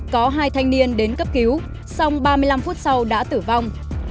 có hai thanh niên đến cấp cứu xong ba mươi năm phút sau đã tử vong